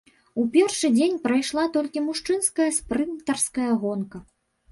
У першы дзень прайшла толькі мужчынская спрынтарская гонка.